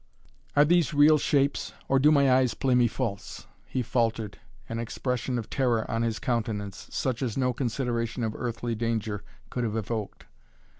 "Are these real shapes or do my eyes play me false?" he faltered, an expression of terror on his countenance, such as no consideration of earthly danger could have evoked.